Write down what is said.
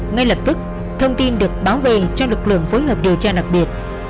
ngay lập tức thông tin được báo về cho lực lượng phối hợp điều tra đặc biệt